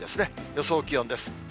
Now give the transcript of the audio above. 予想気温です。